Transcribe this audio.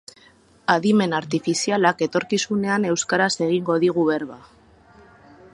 Adimen artifizialak etorkizunean euskaraz egingo digu berba.